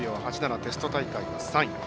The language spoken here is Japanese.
テスト大会は３位。